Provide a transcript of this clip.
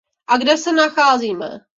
A kde se nacházíme?